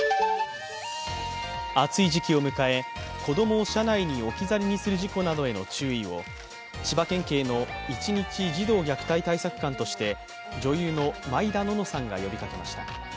暑い時期を迎え、子供を車内に置き去りにする事故などへの注意を、千葉県警の一日児童虐待対策官として女優の毎田暖乃さんが呼びかけました。